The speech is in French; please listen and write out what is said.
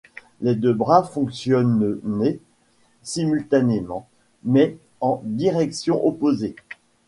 Les deux bras fonctionnenet simultanément mais en directions opposées.